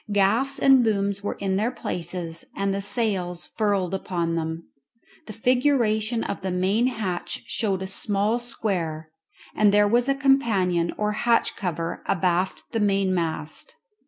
Gaffs and booms were in their places, and the sails furled upon them. The figuration of the main hatch showed a small square, and there was a companion or hatch cover abaft the mainmast.